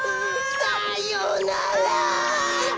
さようなら！